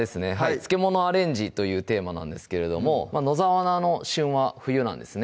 「漬け物アレンジ」というテーマなんですけれども野沢菜の旬は冬なんですね